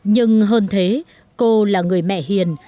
nhưng hơn thế cô là người mẹ hiền